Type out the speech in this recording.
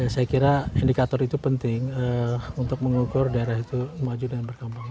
saya kira indikator itu penting untuk mengukur daerah itu maju dan berkembang